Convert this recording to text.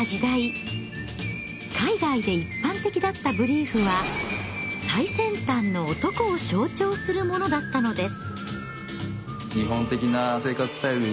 海外で一般的だったブリーフは最先端の男を象徴するものだったのです。